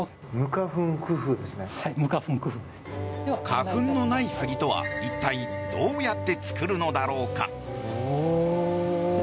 花粉のないスギとは一体どうやって作るのだろうか。